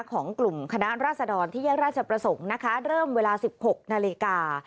ของกลุ่มคณะราษฎรที่แยกราชประสงค์นะคะเริ่มเวลา๑๖นาฬิกา